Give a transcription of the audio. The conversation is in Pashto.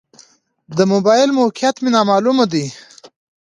د موبایل موقعیت مې نا معلومه ده.